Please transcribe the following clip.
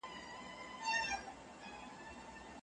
له یوه بله اړخه ځان څرګند کړي